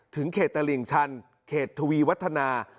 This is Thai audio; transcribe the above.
เขตตลิ่งชันเขตทวีวัฒนา